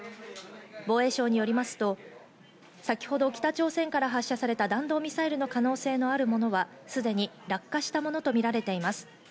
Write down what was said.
防衛省によりますと、先ほど北朝鮮から発射された、弾道ミサイルの可能性のあるものはすでに落下したものとみられています。